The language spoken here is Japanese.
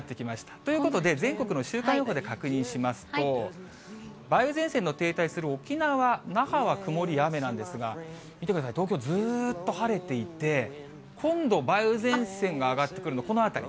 ということで、全国の週間予報で確認しますと、梅雨前線の停滞する沖縄・那覇は曇りや雨なんですが、見てください、東京、ずっと晴れていて、今度、梅雨前線が上がってくるの、このあたり。